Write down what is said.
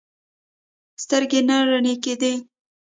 سترګې نه رڼې کېدې.